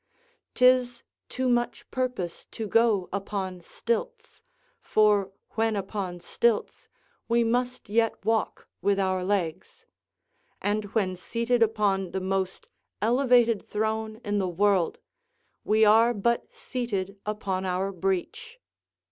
'Tis to much purpose to go upon stilts, for, when upon stilts, we must yet walk with our legs; and when seated upon the most elevated throne in the world, we are but seated upon our breech.